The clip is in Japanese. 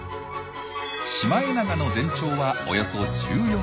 シマエナガの全長はおよそ１４ｃｍ。